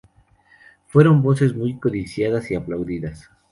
Fueron voces muy codiciadas y aplaudidas.